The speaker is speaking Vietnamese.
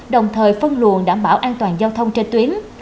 đồng thời phân luồng đảm bảo an toàn giao thông trên tuyến